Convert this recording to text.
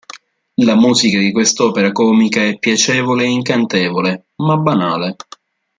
La musica di quest'opera comica è piacevole e incantevole, ma banale.